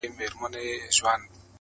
یو د بل به یې سرونه غوڅوله؛